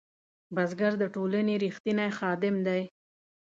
بزګر د ټولنې رښتینی خادم دی